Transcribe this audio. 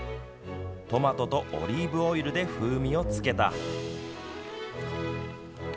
トマトとオリーブオイルで風味をつけた。